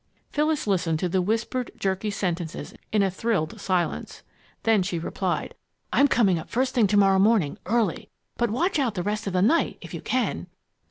Phyllis listened to the whispered, jerky sentences in a thrilled silence. Then she replied: "I'm coming up first thing to morrow morning early! But watch out the rest of the night if you can!"